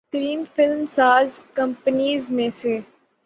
ترین film ساز companies میں سے